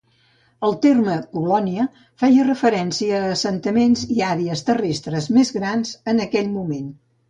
El terme "colònia" feia referència a assentaments i àrees terrestres més grans en aquell moment.